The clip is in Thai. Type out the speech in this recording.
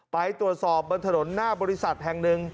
ไปตรวจสอบบนถนนหน้าบริษัทแห่งหนึ่ง